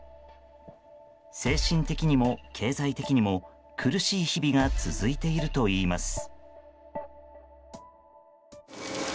精神的にも経済的にも苦しい日々が続いているといいます。